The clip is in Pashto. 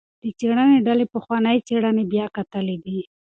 د څیړنې ډلې پخوانۍ څیړنې بیا کتلي دي.